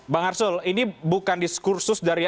bang arsul ini bukan diskursus dari